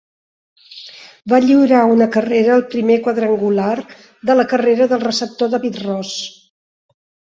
Va lliurar una carrera al primer quadrangular de la carrera del receptor David Ross.